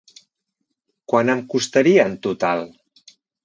Quant em costaria en total?